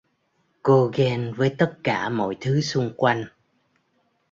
Cô ghen với tất cả mọi thứ xung quanh